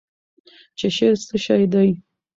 چې شعر څه شی دی؟